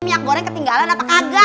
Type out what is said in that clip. miak goreng ketinggalan apa kagak